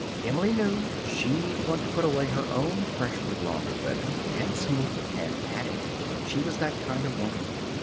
Emily knew she'd want to put away her own freshly laundered linen, and smooth it, and pat it. She was that kind of woman.